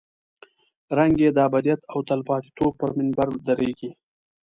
رنګ یې د ابدیت او تلپاتې توب پر منبر درېږي.